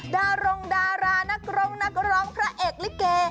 ดารงดารานักร้องนักร้องพระเอกลิเก